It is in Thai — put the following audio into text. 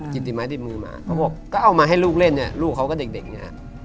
ติดติดไม้ติดมือมาเขาบอกก็เอามาให้ลูกเล่นเนี่ยลูกเขาก็เด็กเนี่ย